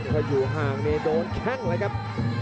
ก็อยู่ห่างดนแค่งเลยครับ